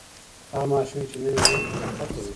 هغه ماشوم چې مینه ویني پرمختګ کوي.